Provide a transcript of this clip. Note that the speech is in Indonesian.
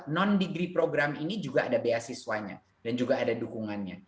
non degree program ini juga ada beasiswanya dan juga ada dukungannya